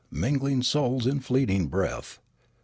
Mingling souls in fleeting breath.